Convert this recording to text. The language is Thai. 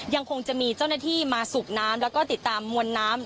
ยังคงจะมีเจ้าหน้าที่มาสูบน้ำแล้วก็ติดตามมวลน้ำ